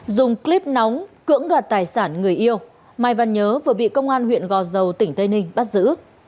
dùng clip nóng cưỡng đoạt tài sản người yêu mai văn nhớ vừa bị công an huyện gò dầu tỉnh tây ninh bắt giữ